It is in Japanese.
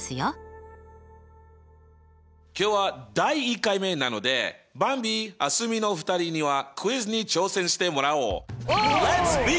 今日は第１回目なのでばんび蒼澄の２人にはクイズに挑戦してもらおう！